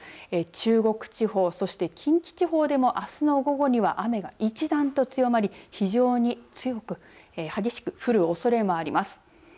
中国地方そして近畿地方でもあすの午後には雨がいちだんと強まり非常に強く激しく降るおそれもあります。